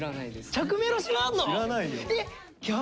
着メロ知らんの？